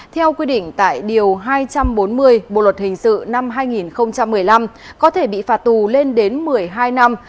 theo quy định tại điều hai trăm bốn mươi bộ luật hình sự năm hai nghìn một mươi năm có thể bị phạt tù lên đến một mươi hai năm